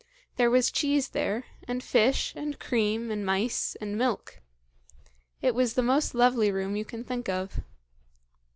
There was cheese there, and fish, and cream, and mice, and milk. It was the most lovely room you can think of."